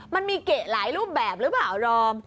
มันมีเกะหลายรูปแบบหรือเปล่าดอม